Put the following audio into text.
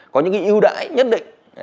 có những cái ưu đãi nhất định